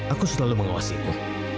aku selalu mengawasimu